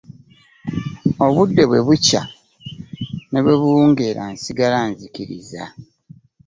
Obudde bwe bukya ne bwe buwungeera nsigala nzikiriza.